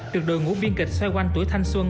được đội ngũ biên kịch xoay quanh tuổi thanh xuân